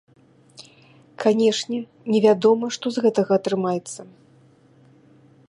Канешне, невядома, што з гэтага атрымаецца.